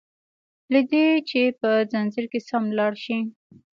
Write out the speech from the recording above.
له دي چي په ځنځير کي سم لاړ شي